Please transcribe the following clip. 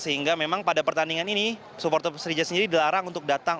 sehingga memang pada pertandingan ini supporter persija sendiri dilarang untuk datang